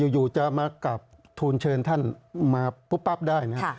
อยู่จะมากลับทูลเชิญท่านมาปุ๊บปั๊บได้นะ